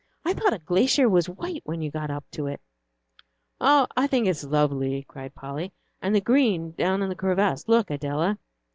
"I thought a glacier was white when you got up to it." "Oh, I think it is lovely!" cried Polly; "and that green down in the crevasse look, Adela!"